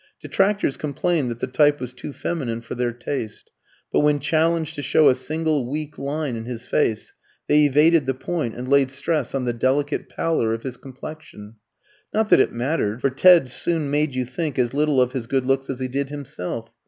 Detractors complained that the type was too feminine for their taste; but when challenged to show a single weak line in his face, they evaded the point and laid stress on the delicate pallor of his complexion. Not that it mattered, for Ted soon made you think as little of his good looks as he did himself.